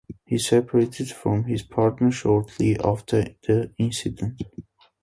He separated from his partner shortly after the incident.